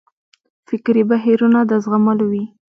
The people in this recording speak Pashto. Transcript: فکري بهیرونه د زغملو وي.